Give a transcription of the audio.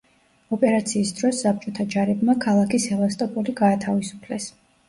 ოპერაციის დროს საბჭოთა ჯარებმა ქალაქი სევასტოპოლი გაათავისუფლეს.